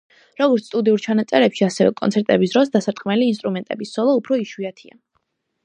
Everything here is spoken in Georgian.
როგორც სტუდიურ ჩანაწერებში, ასევე კონცერტების დროს დასარტყმელი ინსტრუმენტების სოლო უფრო იშვიათია.